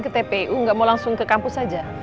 ke tpu gak mau langsung ke kampus saja